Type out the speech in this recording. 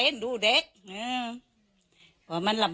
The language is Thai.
โปรดติดตามต่อไป